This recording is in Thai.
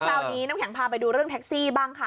คราวนี้น้ำแข็งพาไปดูเรื่องแท็กซี่บ้างค่ะ